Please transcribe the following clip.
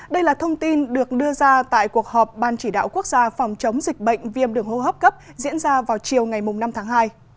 đây là thông tin được đưa ra tại cuộc họp ban chỉ đạo quốc gia phòng chống dịch bệnh viêm đường hô hấp cấp diễn ra vào chiều ngày năm tháng hai